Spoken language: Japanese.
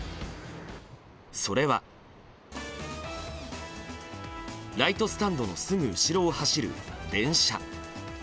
それは、ライトスタンドのすぐ後ろを走る電車。